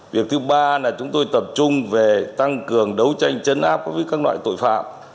việc thứ ba là chúng tôi tập trung về tăng cường đấu tranh chấn áp với các loại tội phạm